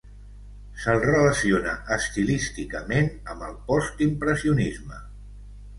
Se'l relaciona estilísticament amb el postimpressionisme.